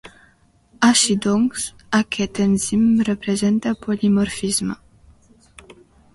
Així doncs, aquest enzim presenta polimorfisme.